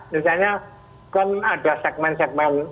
misalnya kan ada segmen segmen